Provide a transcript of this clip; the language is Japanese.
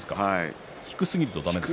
低すぎるとだめですか。